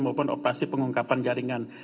maupun operasi pengungkapan jaringan